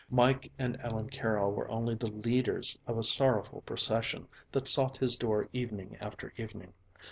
Mike and Ellen Carroll were only the leaders of a sorrowful procession that sought his door evening after evening.